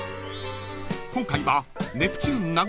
［今回は］